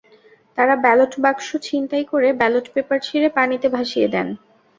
তাঁরা ব্যালট বাক্স ছিনতাই করে ব্যালট পেপার ছিঁড়ে পানিতে ভাসিয়ে দেন।